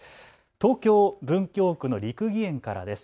東京文京区の六義園からです。